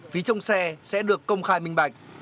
phí trong xe sẽ được công khai minh bạch